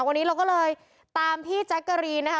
วันนี้เราก็เลยตามพี่แจ๊กกะรีนนะคะ